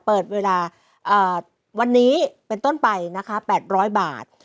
เปิดเวลาวันนี้เป็นต้นไปนะคะ๘๐๐บาท